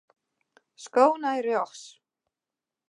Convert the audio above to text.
Sko nei rjochts.